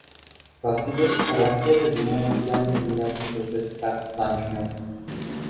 Rossiyada jinoyatchilarning millatini ko‘rsatish taqiqlanishi mumkin